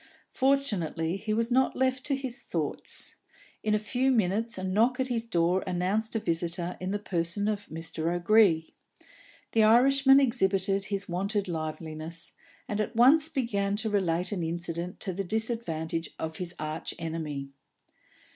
Fortunately, he was not left to his thoughts; in a few minutes a knock at his door announced a visitor in the person of Mr. O'Gree. The Irishman exhibited his wonted liveliness, and at once began to relate an incident to the disadvantage of his archenemy.